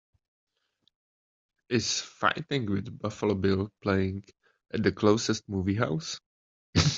Is Fighting With Buffalo Bill playing at the closest movie house